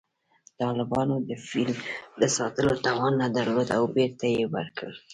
طالبانو د فیل د ساتلو توان نه درلود او بېرته یې ورکړ